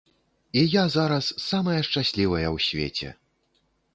І я зараз самая шчаслівая ў свеце!